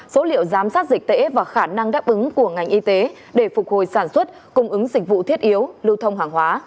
số liệu giám sát dịch tễ và khả năng đáp ứng của ngành y tế để phục hồi sản xuất cung ứng dịch vụ thiết yếu lưu thông hàng hóa